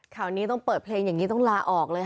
ข่าวนี้ต้องเปิดเพลงอย่างนี้ต้องลาออกเลยค่ะ